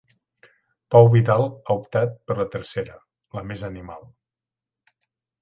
Pau Vidal ha optat per la tercera, la més animal.